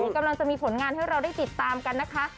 กำลังจะมีผลงานให้เราได้ติดตามกันนะคะ